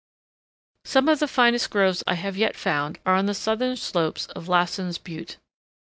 Some of the finest groves I have yet found are on the southern slopes of Lassen's Butte.